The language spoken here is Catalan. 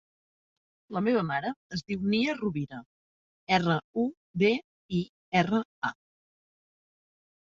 La meva mare es diu Nia Rubira: erra, u, be, i, erra, a.